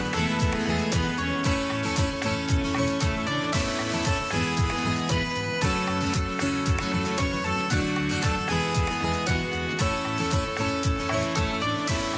โปรดติดตามตอนต่อไป